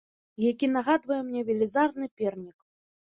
Дом, які нагадвае мне велізарны пернік.